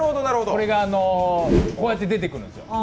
こうやって出てくるんですよ。